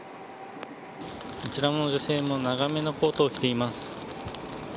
あちらの女性も長めのコートを着ています。